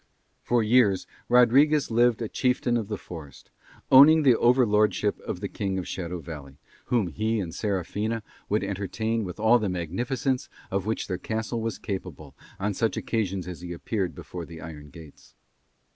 For years Rodriguez lived a chieftain of the forest, owning the overlordship of the King of Shadow Valley, whom he and Serafina would entertain with all the magnificence of which their castle was capable on such occasions as he appeared before the iron gates.